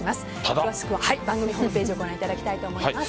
詳しくは番組ホームページをご覧いただきたいと思います。